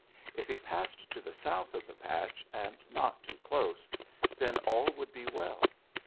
If he passed to the south of the patch, and not too close, then all would be well.